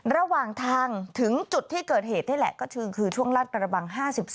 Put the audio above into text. ระหว่างทางถึงจุดที่เกิดเหตุนี่แหละก็คือช่วงลาดกระบัง๕๔